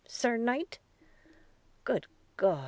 Sir Knight?' 'Good God!'